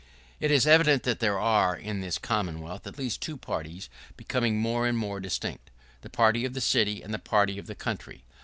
[¶24] It is evident that there are, in this Commonwealth at least, two parties, becoming more and more distinct — the party of the city, and the party of the country.